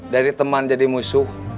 dari teman jadi musuh